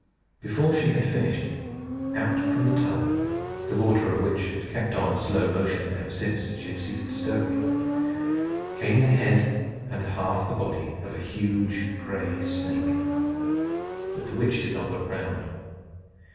Before she had finished, out from the tub, the water of which had kept on a slow motion ever since she had ceased stirring it, came the head and half the body of a huge gray snake. But the witch did not look round.